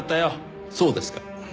そうですか。